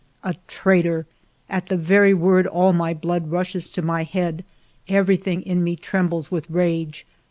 A traitor! At the very word all my blood rushes to my head, everything in me trembles with rage.